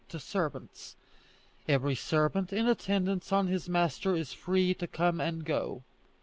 to servants: "Every servant in attendance on his master is free to come and go."